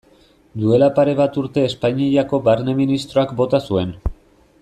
Duela pare bat urte Espainiako Barne ministroak bota zuen.